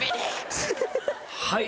はい。